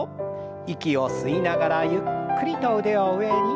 息を吸いながらゆっくりと腕を上に。